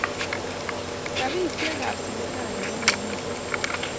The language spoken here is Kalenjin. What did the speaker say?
Rapishek ab sipitali ko mamiten